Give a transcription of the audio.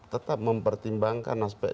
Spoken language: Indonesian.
tetap mempertimbangkan aspek